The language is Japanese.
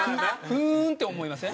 「ふーん」って思いません？